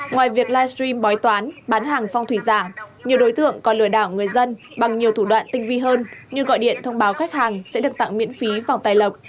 ngoài việc livestream bói toán bán hàng phong thủy giả nhiều đối tượng còn lừa đảo người dân bằng nhiều thủ đoạn tinh vi hơn như gọi điện thông báo khách hàng sẽ được tặng miễn phí vòng tài lộc